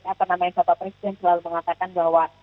apa namanya bapak presiden selalu mengatakan bahwa